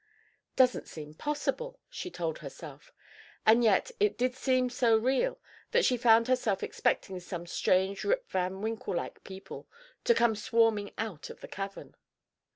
"Doesn't seem possible," she told herself. And yet, it did seem so real that she found herself expecting some strange Rip Van Winkle like people to come swarming out of the cavern.